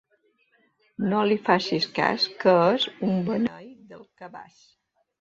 No li facis cas que és un beneit del cabàs.